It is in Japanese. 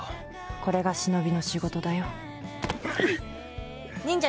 これが忍の仕事だよ。